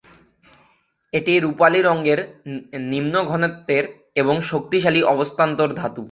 এটি রূপালি রঙের, নিম্ন ঘনত্বের এবং শক্তিশালী অবস্থান্তর ধাতু।